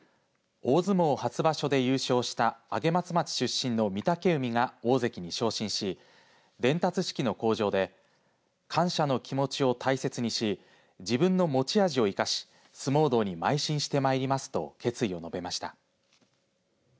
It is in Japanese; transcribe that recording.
大相撲初場所で優勝した上松町出身の御嶽海が大関に昇進し伝達式の口上で感謝の気持ちを大切にし自分の持ち味を生かし相撲道にまい進してまいりますと決意を述べました。